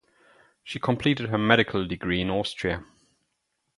She completed her medical degree in Austria.